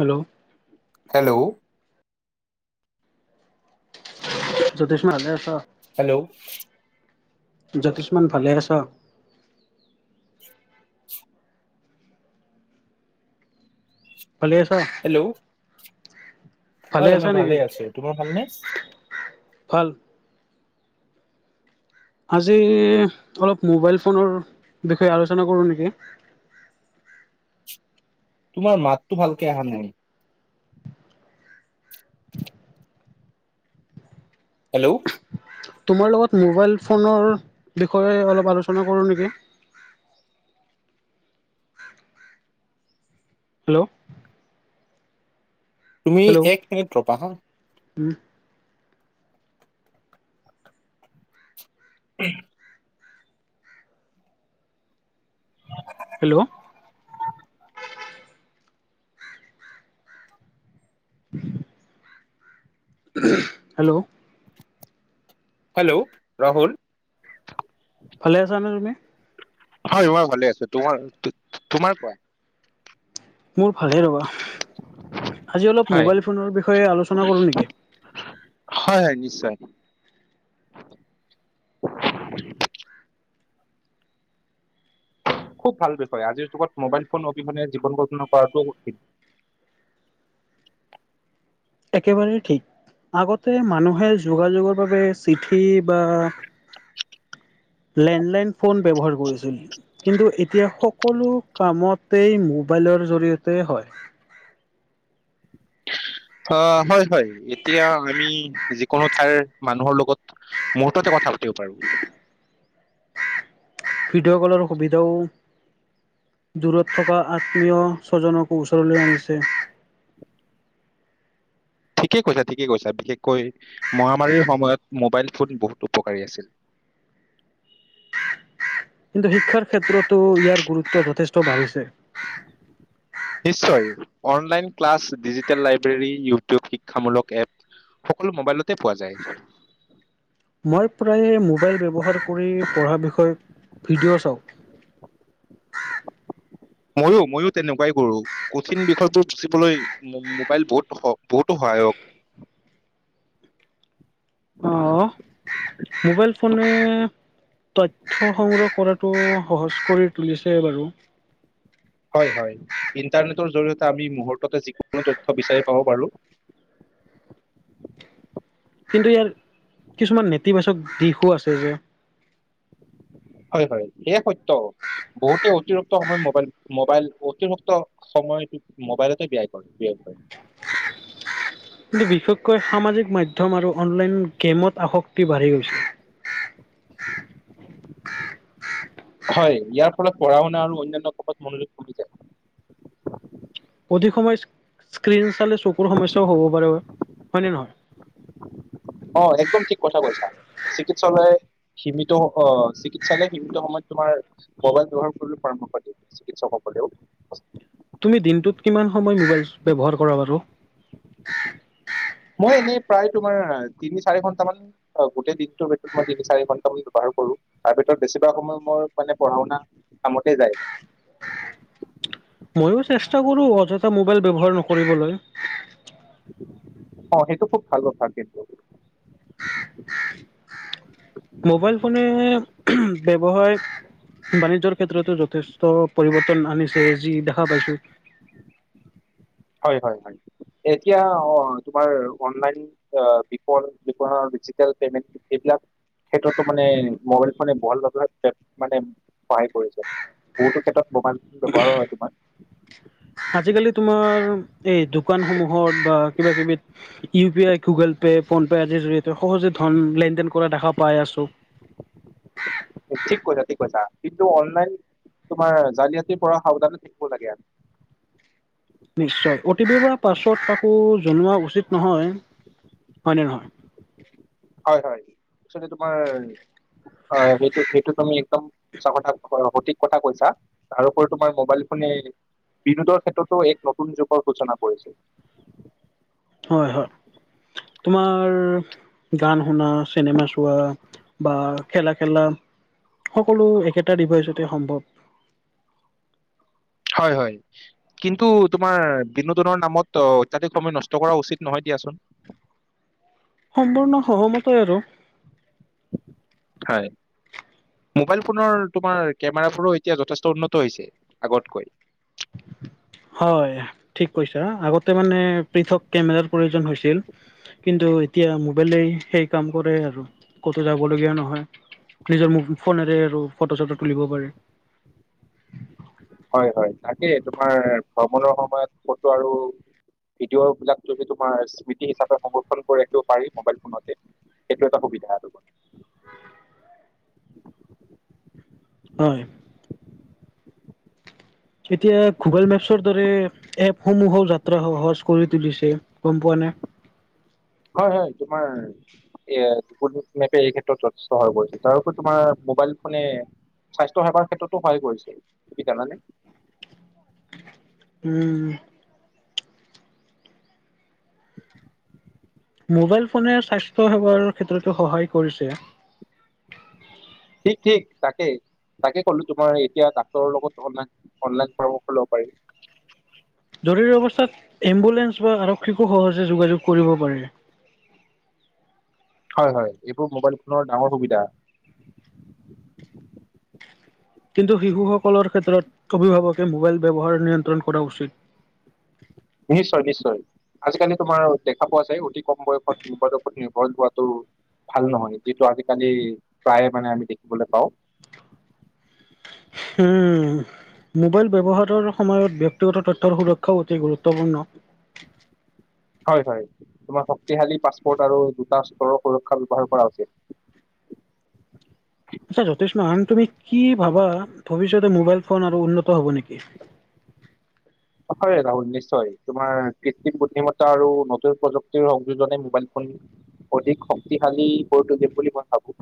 Hello hello Jyotishman আছ hello Jyotishman ভালে আছ ভালে আছ হয়', আছা ধুনু নেকি? ভালে আছে, তোমাৰ ভালনে? ভাল, আজি অলপ মোবাইল- ফোনৰ বিষয়ে আলোচনা কৰোঁ নেকি? তোমাৰ মাতটো ভালকে আহা নাই, হেল্ল', তোমাৰ লগত মোবাইল ফোনৰ বিষয়ে অলপ আলোচনা কৰোঁ নেকি, হেল্ল', তুমি এক মিনিট ৰবা হা', উম', [unintelligible] হেল্ল', [unintelligible] হেল্ল', হেল্ল, ' ৰাহুল, ভালে আছা নে তুমি? হয় ', মই ভালে আছো। তোমাৰ- তোমাৰ কোৱা? মোৰ ভালে ৰবা, আজি অলপ মোবাইল ফোনৰ বিষয়ে আলোচনা কৰো নেকি? হয়-হয় নিশ্চয়, খুব ভাল বিষয়, আজিৰ যুগত মোবাইল ফোন অবিহনে জীৱন কল্পনা কৰাটো কঠিন। একেবাৰেই ঠিক আগতে মানুহে যোগাযোগৰ বাবে চিঠি বা লেণ্ডলাইন ফোন ব্যৱহাৰ কৰিছিল। কিন্তু এতিয়া সকলো কামতেই মোবাইলৰ জৰিয়তে হয়। অ', হয়, হয় ', এতিয়া আমি, কোনো ঠাইৰ মানুহৰ লগত মুহুৰ্ততে কথা পাতিব পাৰো। ভিডিঅ' কলৰ সুবিধাও, দূৰত থকা আত্মীয় স্বজনকো ওচৰলৈ আনিছে। ঠিকেই কৈছা, ঠিকেই কৈছা বিশেষকৈ মহামাৰীৰ সময়ত মোবাইল ফোন বহুত উপকাৰী আছিল। কিন্তু শিক্ষাৰ ক্ষেত্ৰতো ইয়াৰ গুৰুত্ব যথেষ্ট বাঢ়িছে। নিশ্চয় online- class, digital library, YouTube, শিক্ষামূলক এপ সকলো মোবাইলতে পোৱা যায়। মই প্ৰায়ে মোবাইল ব্যৱহাৰ কৰি পঢ়াৰ বিষয়ে ভিডিঅ' চাওঁ। মইয়ো', - মইয়ো তেনেকুৱাই কৰো কঠিন বিষয়বোৰ বুজিবলৈ মোবাইল বহুত -বহুতো সহায়ক। অ ', মোবাইল ফোনে তথ্য সংগ্ৰহ কৰাটো সহজ কৰি তুলিছে বাৰু। হয় -হয় ইণ্টাৰনেটৰ জৰিয়তে আমি মুহূৰ্ততে যিকোনো তথ্য বিচাৰি পাব পাৰো। কিন্তু ইয়াৰ কিছুমান নেতিবাচক দিশো আছে যে', হয়- হয় সেয়া সত্য বহুতে অতিৰিক্ত সময় মবাইল- মোবাইল অতিৰিক্ত সময় মোবাইলতে ব্যয়াই কৰে, ব্যয় কৰে। কিন্তু বিশেষকৈ সামাজিক মাধ্যম আৰু অনলাইন গেমত আসক্তি বাঢ়ি গৈছে। হয় ', ইয়াৰ ফলত পঢ়া- শুনা আৰু অনান্য কবাত মনোযোগ কমি যায়। অধিক সময় স্ক্ৰিন, চালে চকুৰ সমস্যাও হ'ব পাৰে হয়নে অ নহয়? একদম ঠিক কথা কৈছা চিকিৎসালয় সীমিত অহ ', চিকিৎসালয় সীমিত সময়ত তোমাৰ মোবাইল ব্যৱহাৰ কৰিবলৈ পৰামৰ্শ দিয়ে চিকিৎসকসকলেও। তুমি দিনটোত কিমান সময় মোবাইল ব্যৱহাৰ কৰা বাৰু? মই এনেই প্ৰায় তোমাৰ তিনি -চাৰি ঘন্টা মান গোটেই দিনটোৰ ভিতৰত মই তিনি -চাৰি ঘন্টাম মান ব্যৱহাৰ কৰো তাৰ ভিতৰত বেছিভাগ সময় মোৰ মানে পঢ়া -শুনা কামতে যায়। ময়ো চেষ্টা কৰো অযথা মোবাইল ব্যৱহাৰ নকৰিবলৈ, অ', এইটো খুব ভাল কথা কিন্তু, মোবাইল ফোনে ব্যৱহাৰ বাণিজ্যৰ ক্ষেত্ৰতো যথেষ্ট পৰিৱৰ্তন আনিছে যি', দেখা পাইছো', হয় হয় হয় এতিয়া অ তোমাৰ অনলাইন বিপ বিপ ডিজিটেল পেমেণ্ট এইবিলাক ক্ষেত্ৰতো মানে মোবাইল ফোনে ভাল ভে মানে সহায় কৰিছে বহুতো ক্ষেত্ৰত ব্যবহাৰ হয় তোমাক আজিকালি তোমাৰ এই দোকানসমূহত বা কিবা কিবি U P I Google pay ফে আদিৰ জৰিয়তে সহজেন লেন দেন কৰা দেখা পাই আছো ঠিক কৈছা ঠিক কৈছা কিন্তু অনলাইন তোমাৰ জালিয়াতিৰ পৰা সাৱধানে থাকিব লাগে আৰু নিশ্চয় অ' টি পি পৰা পাছত আকো জনোৱা উচিত নহয় হয়নে নহয় হয় হয় তোমাৰ সেইটো সেইটো তুমি একদম সচ কথা সঠিক কথা কৈছা তাৰপৰি তোমাৰ মবাইল ফোনে বিনোদৰ ক্ষেত্ৰতো এক নতুন যুগৰ সূচনা কৰিছো হয় হয় তোমাৰ গান শুনা চিনেমা চোৱা বা খেলা খেলা সকলো একেটা ডিভাইচতে সম্ভৱ হয় হয় কিন্তু তোমাৰ বিনোদনৰ নামত অত্যাধিক সময় নষ্ট কৰা উচিত নহয় দিয়াচোন সম্পূৰ্ণ সহমতই আৰু হয় মোবাইল ফোনৰ তোমাৰ কেমেৰাবোৰো এতিয়া য উন্নত হৈছে আগতকৈ হয় ঠিক কৈছা আগতে মানে পৃথক কেমেৰাৰ প্ৰয়োজন হৈছিল কিন্তু এতিয়া মোবাইলেই সেই কাম কৰে আৰু ক'তো যাবলগীয়া নহয় নিজৰ ফোনেৰে আৰু ফটো চটো তুলিব পাৰে হয় হয় তাকে তোমাৰ ভ্ৰমণৰ সময়ত ফটো আৰু ভিডিঅ' বিলাক তোমাৰ স্মৃতি হিচাপে সংৰক্ষন কৰা ৰাও পাৰি মোবাইল ফোনতে সেইটো এটা সুবিধা তোমাৰ হয় এতিয়া গুগল মেপছৰ দৰে এপসমূহ যাত্ৰা সহজ কৰি তুলিছে গম পোৱা নাই হয় হয় তোমাৰ এ গুগল মেপে এই ক্ষেত্ৰত যথেষ্ট স হৈ কৰিছে তাৰপৰি তোমাৰ মোবাইল ফোনে স্বাস্থ্য সেৱাৰ ক্ষেত্ৰতো সহায় কৰিছে জানানে উম মোবাইল ফোনে স্বাস্থ্য সেৱাৰ ক্ষেত্ৰতো সহায় কৰিছে ঠিক ঠিক তাকে তাকে ক'লো তোমাৰ এতিয়া ডাক্তৰৰ লগত অনলন অনলাইন পৰামৰ্শ লব পাৰি জৰুৰী অৱস্থাত এম্বুলেন্স বা আৰক্ষীকো সহজে যোগাযোগ কৰিব পাৰে হয় হয় এইবোৰ মোবাইল ফোনৰ ডাঙৰ সুবিধা কিন্তু শিশুসকলৰ ক্ষেত্ৰত অভিভাৱকে মোবাইল ব্যৱহাৰ নিয়ন্ত্ৰণ কৰা উচিত। নিশ্চয় নিশ্চয় আজিকালি তোমাৰ দেখা পোৱা যায় অধিক। কম বয়সত নি্পবত নিৰ্ভৰ লোৱা। টো ভাল নহয়, যিটো আজিকালি প্ৰায়ে মানে আমি দেখিবলৈ পাও। উম' মোবাইল ব্যৱহাৰৰ সময়ত ব্যক্তিগত তথ্যৰ সুৰক্ষাও অতি গুৰুত্বপূৰ্ণ। হয়-হয়, তোমাৰ শক্তিসালী পাছপাৰ্ট আৰু দুটাস্তৰৰ সুৰক্ষা ব্যৱহাৰ কৰা উচিত। আচ্ছা, জতিষ্মান তুমি কি ভাবা, ভৱিষ্যতে মোবাইল ফোন আৰু উন্নত হব নেকি? হয়, ৰাহুল নিশ্চয় তোমাৰ কৃতিম বুদ্ধিমত্তা আৰু নতুন প্ৰযুক্তিৰ সংযোজনে মোবাইল ফোন, অধিক শক্তিশালী কৰি তুলিম বুলি মই ভাবো।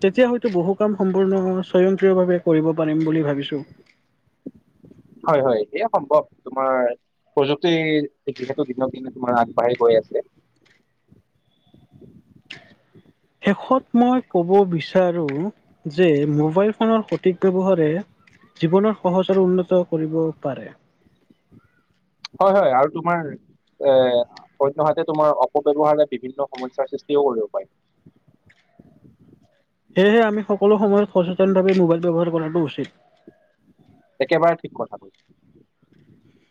তেতিয়া, হয়তো বহু কাম সম্পূৰ্ণ স্বয়ংক্ৰিয়ভাৱে কৰিব পাৰিম বুলি ভাবিছোঁ। হয়-হয়, সেয়া সম্ভৱ তোমাৰ প্ৰযুক্তি যিহেতু, দিনক দিনে তোমাৰ আগবাঢ়ি গৈ আছে। শেষত মই ক'ব বিচাৰোঁ যে, মোবাইল ফোনৰ সঠিক ব্যৱহাৰে জীৱনত সহজ আৰু উন্নত কৰিব পাৰে। হয়-হয়, আৰু তোমাৰ এ অন্যহাতে তোমাৰ অপব্যৱহাৰে বিভিন্ন সমস্যাৰ সৃষ্টিও কৰিবও পাৰে। সেয়েহে, আমি সকলো সময়ত সচেতনভাৱে মোবাইল ব্যৱহাৰ কৰাটো উচিত। একেবাৰে ঠিক কথা কৈছো।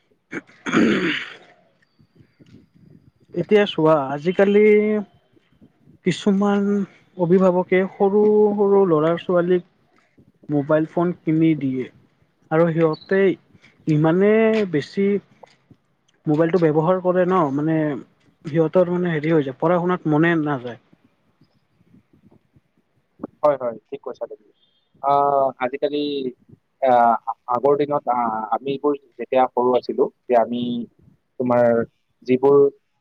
হুম এতিয়া চোৱা আজিকালি কিছুমান অভিভাৱকে, সৰু-সৰু, ল'ৰা-ছোৱালীক মোবাইল ফোন কিনি দিয়ে আৰু সিহঁতে, ইমানে বেছি মোবাইলটো ব্যৱহাৰ কৰে ন মানে সিহঁতৰ মানে হেৰি হৈ যায়, পঢ়া শুনাত মনে নাযায়। হয়-হয় ঠিক কৈছা। তুমি অ' আজিকালি আ' আগৰ দিনত আ' আমিবোৰ যেতিয়া সৰু আছিলো। যে আমি তোমাৰ যিবোৰ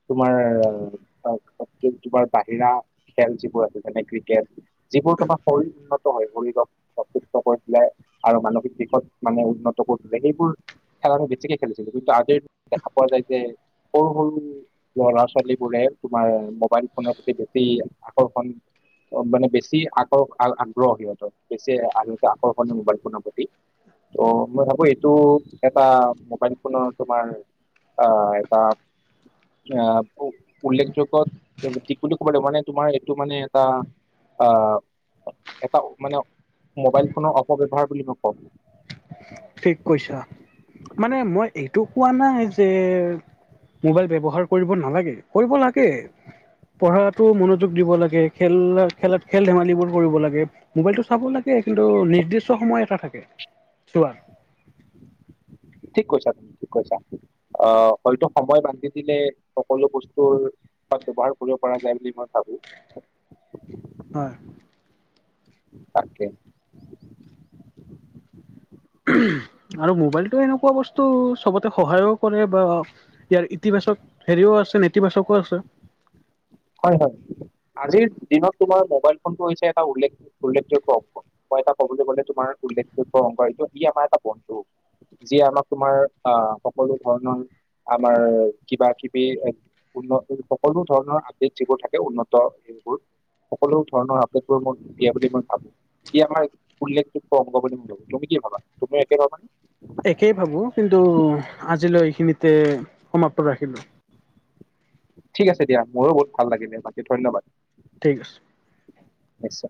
তোমাৰ-তোমাৰ বাহিৰা খেল যিবোৰ আছে। যেনে ক্ৰিকেট, যিবোৰ তোমাৰ শৰীৰ উন্নত হয়, শৰীৰক সুস্থ কৰি তোলে আৰু মানসিক দিশত মানে উন্নত কৰিলে, সেইবোৰ খেলা আ' বেছিকে খেলিছিলো কিন্তু আজিৰ দিনত দেখা পোৱা যায় যে, সৰু-সৰু ল'ৰা-ছোৱালীবোৰে তোমাৰ মোবাইল ফোনৰ প্ৰতি বেছি আকৰ্ষণ মানে, বেচি আগ্ৰহ সিহঁতৰ বেছি আ' আকৰ্ষণীয় মোবাইল ফোনৰ প্ৰতি ত মই ভাবো, এইটো এটা মোবাইল ফোনৰ তোমাৰ আ' এটা আ' উল্লেখযোগত দি বুলি ক'ব লাগিব। মানে তোমাৰ এইটো মানে এটা, অ এটা মানে মোবাইল ফোনৰ অপব্যৱহাৰ বুলি মই কম। ঠিক কৈছা, মানে মই এইটো কোৱা নাই যে মোবাইল ব্যৱহাৰ কৰিব নালাগে। কৰিব লাগে পঢ়াতো মনোযোগ দিব লাগে। খেল-খেলাত, খেল-ধেমালিবোৰ কৰিব লাগে। মোবাইলতটো চাব লাগে কিন্তু নিৰ্দিষ্ট সময় এটা থাকে চোৱাৰ। ঠিক কৈছা, তুমি ঠিক কৈছা, আ' হয়তো সময় বান্ধি দিলে সকলো বস্তুৰ শত ব্যৱহাৰ কৰিব পৰা যায় বুলি মই ভাবো। হয়। তাকে, উম আৰু মোবাইলটো এনেকুৱা বস্তু সবতে সহায়ও কৰে বা ইয়াৰ ইতিবাচক হেৰিও আছে, নেতিবাচকো আছে। হয়-হয়, আজিৰ দিনত তোমাৰ মোবাইল ফোনটো হৈছে এটা উল্লেখ-উল্লেখযোগ্য অংশ। মই এটা কবলৈ গলে। তোমাৰ উল্লেখযোগ্য অংশটো ই আমাৰ এটা বন্ধু, যিয়ে আমাক তোমাৰ আ' সকলো ধৰণৰ আমাৰ কিবা-কিবি উন্ন সকলো ধৰণৰ যিবোৰ থাকে উন্নত সেইবোৰ সকলো ধৰণৰ আপডেটবোৰ মই দিয়া বুলি মই ভাবো। ই আমাৰ উল্লেখযোগ্য অংগ বুলি মই ভাবো, তুমি কি ভাবা, তুমি একেভাবা মানে? একেই ভাবো কিন্তু আজিলৈ এইখিনিতে সমাপ্ত ৰাখিলো। ঠিক আছে দিয়া। মোৰো বহুত ভাল লাগিলে বাকী ধন্যবাদ। ঠিক আছে। নিশ্চয়।